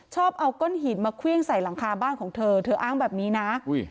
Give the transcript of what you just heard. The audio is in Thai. ชอบเอาก้อนหินมาเครื่องใส่หลังคาบ้านของเธอเธออ้างแบบนี้นะ